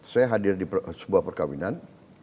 saya hadir di sebuah perkawinan